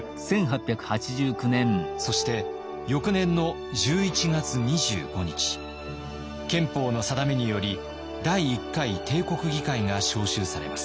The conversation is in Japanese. そして翌年の１１月２５日憲法の定めにより第１回帝国議会が召集されます。